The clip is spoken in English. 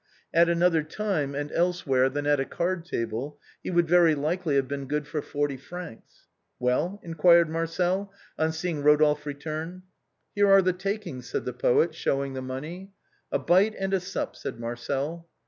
At another time and else 318 THE BOHEMIANS OF THE LATIN QUARTER. where than at a card table, he would very likely have been good for forty francs. "Well?" inquired Marcel, on seeing Eodolphe return. " Here are the takings," said the poet, showing the money. " A bite and a sup," said Marcel.